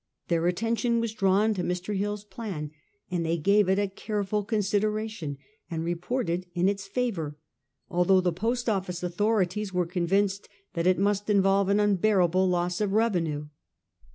Their attention was drawn to Mr. Hill's plan, and they gave it a care ful consideration, and reported in its favour, although the Post Office authorities were convinced that it must involve an unbearable loss of revenue.